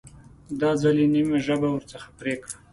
دا ځل یې نیمه ژبه ورڅخه پرې کړه.